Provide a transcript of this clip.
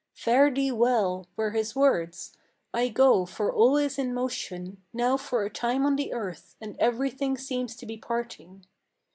'Fare thee well,' were his words; 'I go, for all is in motion Now for a time on the earth, and every thing seems to be parting.